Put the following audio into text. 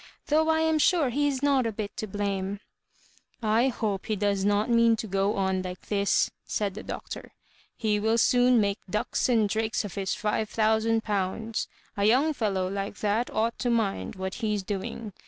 Though I am sure he is not a bit to blame." " I hope he does not mean to go on like this," said the Doctor. He will soon make ducks and drakes of his five thousand pounds. ^ young fellow like that ought to mind what he*s doing.